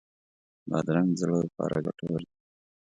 بادرنګ د زړه لپاره ګټور دی.